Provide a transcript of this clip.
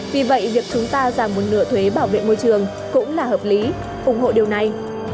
vì vậy việc chúng ta giảm một nửa thuế bảo vệ môi trường cũng là hợp lý ủng hộ điều này